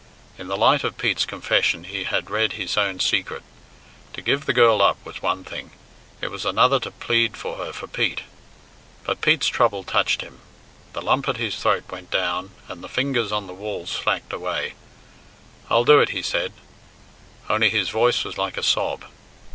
In the light of Pete's confession he had read his own secret. To give the girl up was one thing; it was another to plead for her for Pete. But Pete's trouble touched him. The lump at his throat went down, and the fingers on the wall slacked away. "I'll do it," he said, only his voice was like a sob.